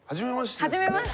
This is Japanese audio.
はじめまして。